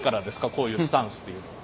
こういうスタンスっていうのは。